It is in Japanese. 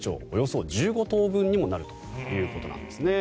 およそ１５棟分にもなるということです。